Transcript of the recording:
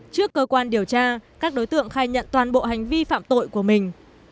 trước cơ quan điều tra các đối tượng khai nhận toàn bộ hành vi phạm tội của mình